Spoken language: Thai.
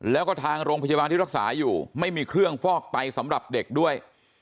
แล้วก็ทางโรงพยาบาลที่รักษาอยู่ไม่มีเครื่องฟอกไตสำหรับเด็กด้วย